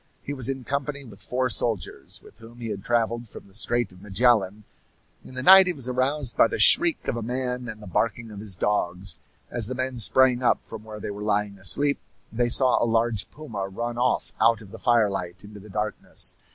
He was in company with four soldiers, with whom he had travelled from the Strait of Magellan. In the night he was aroused by the shriek of a man and the barking of his dogs. As the men sprang up from where they were lying asleep they saw a large puma run off out of the firelight into the darkness.